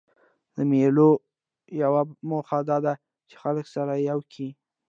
د مېلو یوه موخه دا ده، چي خلک سره یو کي.